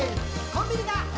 「コンビニだ！